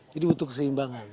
jadi butuh keseimbangan